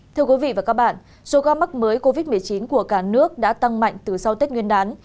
thưa quý vị và các bạn số ca mắc mới covid một mươi chín của cả nước đã tăng mạnh từ sau tết nguyên đán